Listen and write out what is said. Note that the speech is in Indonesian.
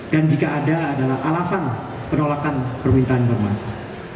dan jika ada adalah alasan penolakan permintaan informasi